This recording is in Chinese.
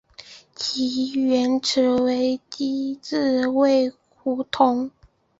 其原址为机织卫胡同。